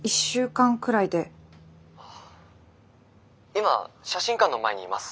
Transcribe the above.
今写真館の前にいます。